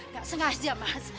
gak sengaja mas